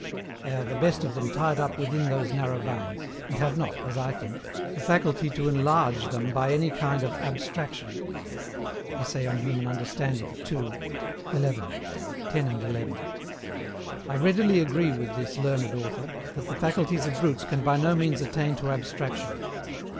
They are the best of them tied up within those narrow bounds, and have not (as I think) the faculty to enlarge them by any kind of ABSTRACTION." Essay on Human Understanding, II. xi. 10 and 11. I readily agree with this learned author, that the faculties of brutes can by no means attain to ABSTRACTION.